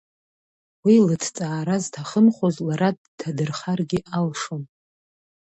Уи лыҭҵаара зҭахымхоз лара дҭадырхаргьы алшон.